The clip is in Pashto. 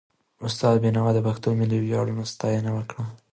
استاد بينوا د پښتنو د ملي ویاړونو ستاینه وکړه.